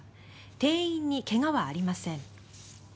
店員に怪我はありません。